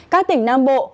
các tỉnh nam bộ